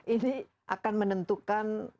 ini akan menentukan